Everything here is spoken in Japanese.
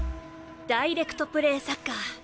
ダイレクトプレーサッカー。